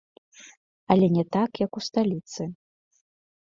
Але не так, як у сталіцы.